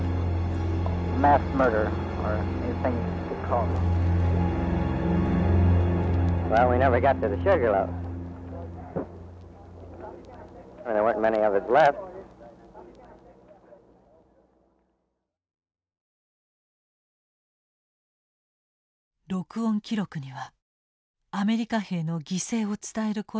録音記録にはアメリカ兵の犠牲を伝える声が増えていった。